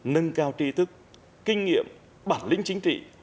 nâng cao tri thức kinh nghiệm bản lĩnh chính trị